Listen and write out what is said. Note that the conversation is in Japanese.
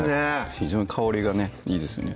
非常に香りがねいいですよね